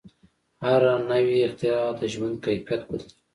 هره نوې اختراع د ژوند کیفیت بدلوي.